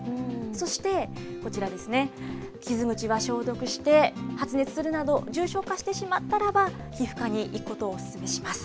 そしてこちらですね、傷口は消毒して、発熱するなど、重症化してしまったらば、皮膚科に行くことをお勧めします。